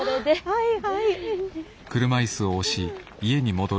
はいはい。